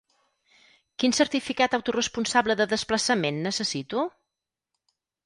Quin certificat autoresponsable de desplaçament necessito?